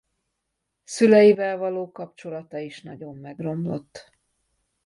Szüleivel való kapcsolata is nagyon megromlott.